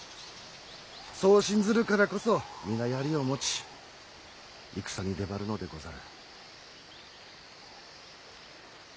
そう信ずるからこそ皆槍を持ち戦に出張るのでござる。